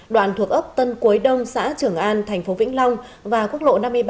đoạn thuộc ấp tân cuối đông xã trường an thành phố vĩnh long và quốc lộ năm mươi ba